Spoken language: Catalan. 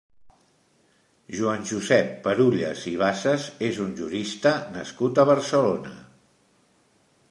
Joan Josep Perulles i Bassas és un jurista nascut a Barcelona.